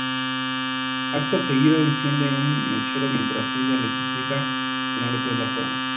Acto seguido, enciende un mechero mientras ella le suplica que no le prenda fuego.